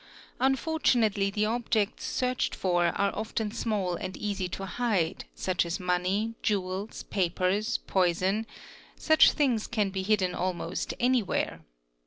Unfortunately the objects searched for are often small and easy to hide such as money, jewels, papers, poison,—such things can be hidden almost anywhere.